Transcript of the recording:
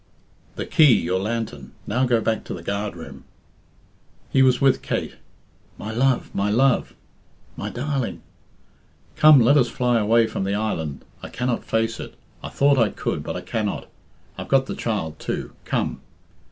"The key; your lantern. Now go back to the guard room." He was with Kate. "My love, my love!" "My darling!" "Come, let us fly away from the island. I cannot face it. I thought I could, but I cannot. I've got the child too. Come!"